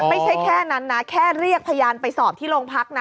ไม่ใช่แค่นั้นนะแค่เรียกพยานไปสอบที่โรงพักนะ